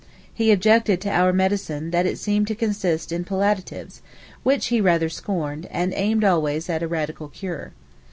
He objected to our medicine that it seemed to consist in palliatives, which he rather scorned, and aimed always at a radical cure.